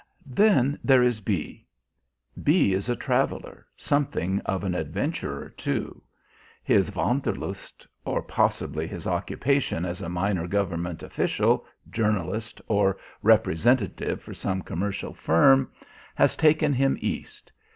Then there is B. B is a traveller, something of an adventurer too. His wanderlust, or possibly his occupation as a minor government official, journalist, or representative for some commercial firm, has taken him East.